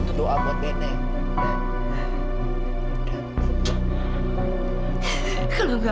tapi kamu gak punya hak untuk melayani saya